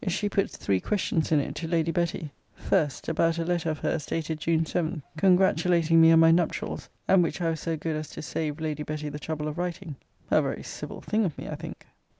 She puts three questions in it to Lady Betty. 1st. About a letter of her's, dated June 7, congratulating me on my nuptials, and which I was so good as to save Lady Betty the trouble of writing A very civil thing of me, I think!